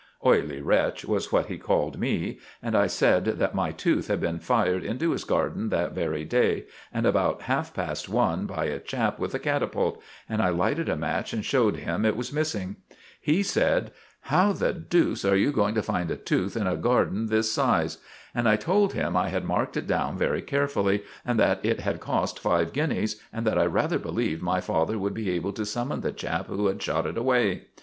"'Oily wretch' was what he called me; and I said that my tooth had been fired into his garden that very day, about half past one, by a chap with a catapult; and I lighted a match and showed him it was missing. "He said: "'How the deuce are you going to find a tooth in a garden this size?' And I told him I had marked it down very carefully, and that it had cost five guineas, and that I rather believed my father would be able to summon the chap who had shot it away.